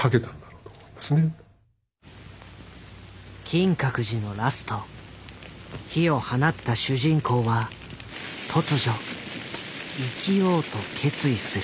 「金閣寺」のラスト火を放った主人公は突如「生きよう」と決意する。